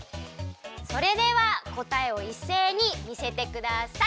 それではこたえをいっせいにみせてください！